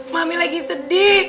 mami lagi cermin aduh